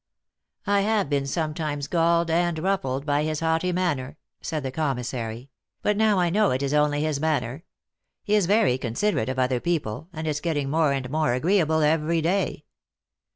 " I have been sometimes galled and ruffled by his haughty manner," said the commissary ;" but now I know it is only his manner. He is very considerate of other people, and is getting more and more agree able every day."